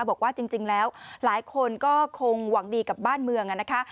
บอกว่าจริงแล้วหลายคนก็คงหวังดีกับบ้านเมืองนะคะ